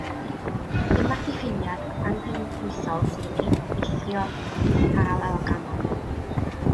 Dyma'r diffiniad anghynhwysol, sydd yn eithrio'r paralelogramau.